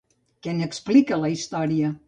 Què n'explica la història?